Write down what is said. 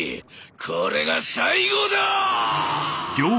これが最後だ！